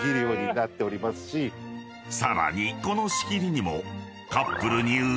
［さらにこの仕切りにも］